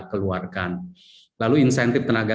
keluarkan lalu insentif tenaga